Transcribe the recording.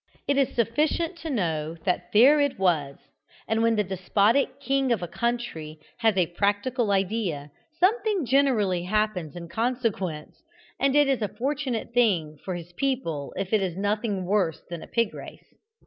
It is sufficient to know that there it was, and when the despotic king of a country has a practical idea, something generally happens in consequence, and it is a fortunate thing for his people if it is nothing worse than a pig race.